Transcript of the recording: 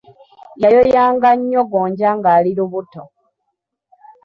Yayoyanga nnyo gonja ng'ali lubuto.